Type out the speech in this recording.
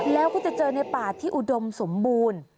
แล้วก็จะเจอในป่าที่อุดมสมบูรณ์